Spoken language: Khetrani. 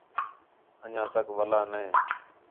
انڄیاں تک ولا نے